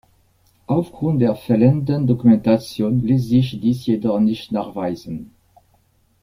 Aufgrund der fehlenden Dokumentation lässt sich dies jedoch nicht nachweisen.